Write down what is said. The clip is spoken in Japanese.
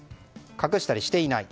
隠したりしていない。